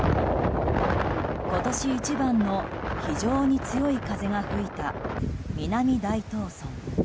今年一番の非常に強い風が吹いた南大東村。